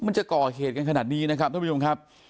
มันจะก่อเหตุกันขนาดนี้นะครับท่านผู้ชมครับ